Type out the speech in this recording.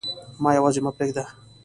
ما یواځي مه پریږده